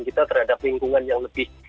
kita terhadap lingkungan yang lebih